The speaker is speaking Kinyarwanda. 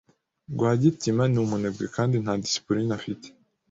Rwagitima ni umunebwe kandi nta disipulini afite.